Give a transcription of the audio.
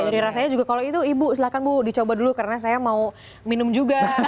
jadi rasanya juga kalau itu ibu silahkan bu dicoba dulu karena saya mau minum juga